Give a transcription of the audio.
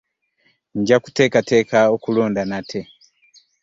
Nja kuteekateeka okulonda nate.